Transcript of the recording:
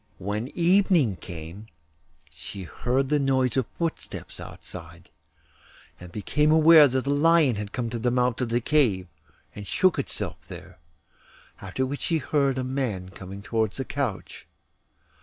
When evening came she heard the noise of footsteps outside, and became aware that the lion had come to the mouth of the cave, and shook itself there, after which she heard a man coming towards the couch.